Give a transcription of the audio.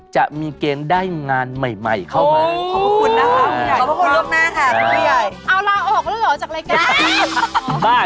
จะมีแกนด้ายงานใหม่เข้ามา